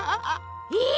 え？